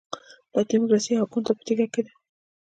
دا ډیموکراسي د یوه ګوند په ټیکه کې ده.